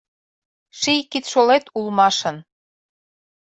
Ший кидшолет улмашын.